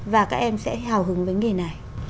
và các em sẽ hào hứng với nghề này